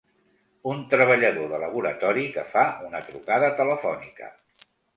Un treballador de laboratori que fa una trucada telefònica.